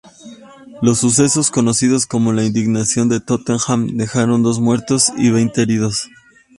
Los sucesos, conocidos como la indignación de Tottenham, dejaron dos muertos y veinte heridos.